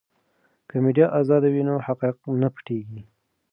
که میډیا ازاده وي نو حقایق نه پټیږي.